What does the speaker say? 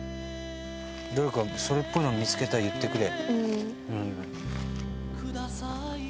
どれかそれっぽいの見付けたら言ってくれ。